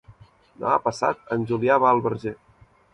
Demà passat en Julià va al Verger.